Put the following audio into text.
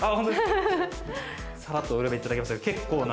さらっとお選びいただきましたけど。